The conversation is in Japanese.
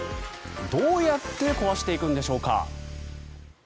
どうやって壊していくんでしょうか？